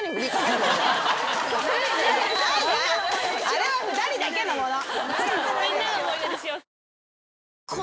あれは二人だけのもの。